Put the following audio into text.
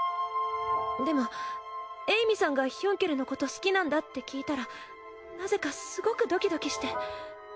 でもエイミさんがヒュンケルのこと好きなんだって聞いたらなぜかすごくドキドキして。